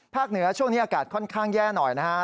เหนือช่วงนี้อากาศค่อนข้างแย่หน่อยนะฮะ